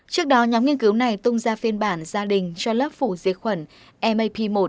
trước đó nhóm nghiên cứu này tung ra phiên bản gia đình cho lớp phủ dưới khuẩn map một